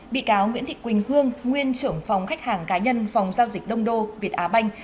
bị cáo nguyễn thị quỳnh hương nguyên trưởng phòng khách hàng cá nhân phòng giao dịch đông đô việt á banh